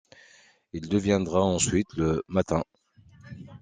Il deviendra ensuite Le Matin.